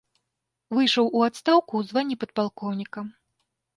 Выйшаў у адстаўку ў званні падпалкоўніка.